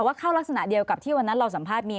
ว่าเข้ารักษณะเดียวกับที่วันนั้นเราสัมภาษณ์มี